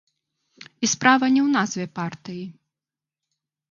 І справа не ў назве партыі.